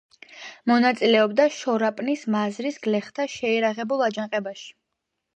მონაწილეობდა შორაპნის მაზრის გლეხთა შეიარაღებულ აჯანყებაში.